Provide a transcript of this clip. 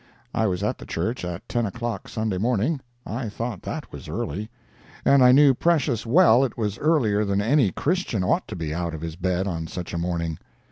I was at the church at ten o'clock Sunday morning. I thought that was early—and I knew precious well it was earlier than any Christian ought to be out of his bed on such a morning.